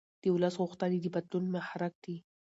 د ولس غوښتنې د بدلون محرک دي